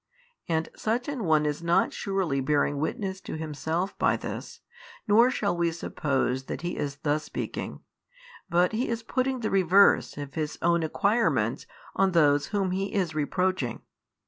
And such an one is not surely bearing witness to himself by this, nor shall we suppose that he is thus speaking, but he is putting the reverse of his own acquirements on those whom he is reproaching.